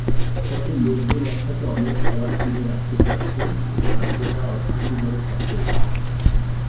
ফলে লোকজন একসাথে অনেক খাবার কিনে রাখতে পারছে, আর সেটা অর্থনৈতিকভাবে সাশ্রয়ী।